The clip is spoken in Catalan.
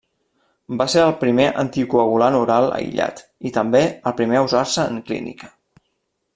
Va ser el primer anticoagulant oral aïllat, i també, el primer a usar-se en clínica.